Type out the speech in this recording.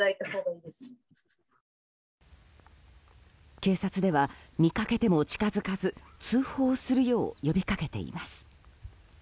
警察では見かけても近づかず通報するよう呼びかけています。